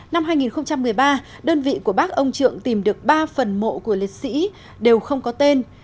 năm hai nghìn một mươi ba đơn vị của bác ông trượng tìm được ba phần mộ của liệt sĩ đều không có tên